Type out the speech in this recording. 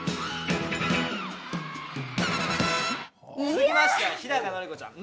続きましては日高のり子ちゃん。